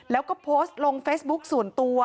แล้วก็โพสต์ลงเฟซบุ๊คส่วนตัว